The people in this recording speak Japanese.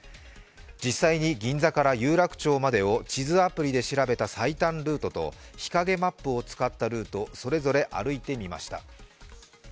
実際に銀座から有楽町までを地図アプリで調べた最短ルートと日陰マップを使ったルート、それぞれ歩いてみました。